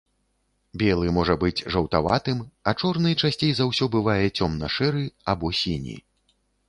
Белы можа быць жаўтаватым, а чорны часцей за ўсё бывае цёмна-шэры або сіні.